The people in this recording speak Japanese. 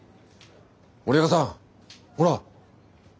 森若さんほら！